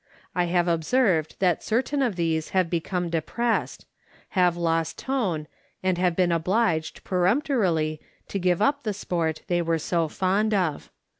I have observed that certain of these have become depressed, have lost tone, and have been obliged, peremptorily, to give up the sport they were so fond of.